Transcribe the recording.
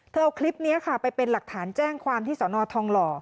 เอาคลิปนี้ค่ะไปเป็นหลักฐานแจ้งความที่สนทองหล่อ